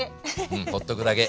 うんほっとくだけ。